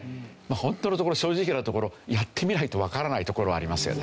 ホントのところ正直なところやってみないとわからないところありますよね。